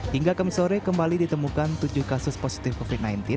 hingga kami sore kembali ditemukan tujuh kasus positif covid sembilan belas